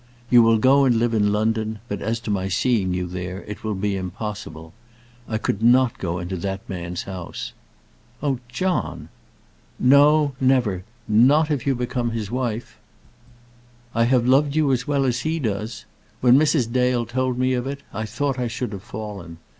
You will go and live in London; but as to my seeing you there, it will be impossible. I could not go into that man's house." "Oh, John." "No, never; not if you become his wife. I have loved you as well as he does. When Mrs. Dale told me of it, I thought I should have fallen.